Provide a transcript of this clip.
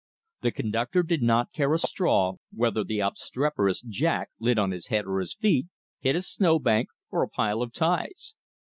The conductor did not care a straw whether the obstreperous Jack lit on his head or his feet, hit a snowbank or a pile of ties.